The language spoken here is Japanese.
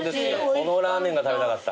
このラーメンが食べたかった。